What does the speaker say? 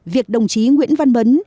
việc đồng chí nguyễn văn mấn